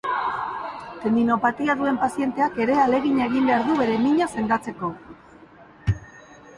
Tendinopatia duen pazienteak ere ahalegina egin behar du bere mina sendatzeko.